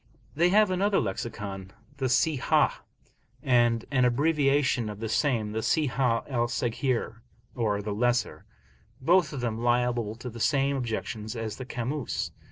They have another Lexicon, the Sihah, and an abbreviation of the same, the Sihah al Saghir (or the lesser), both of them liable to the same objections as the Kamus.